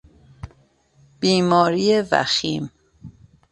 بیماری وخیم